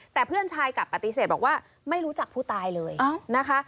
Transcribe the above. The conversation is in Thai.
แต่เพื่อนชายกลับปฏิเสธบอกว่าไม่รู้จักผู้ตายเลยนะคะ